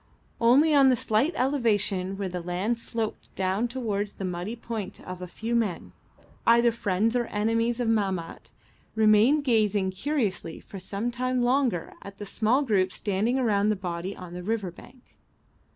Only on the slight elevation where the land sloped down towards the muddy point a few men, either friends or enemies of Mahmat, remained gazing curiously for some time longer at the small group standing around the body on the river bank.